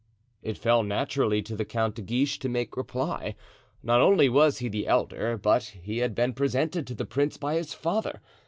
It fell naturally to the Count de Guiche to make reply; not only was he the elder, but he had been presented to the prince by his father.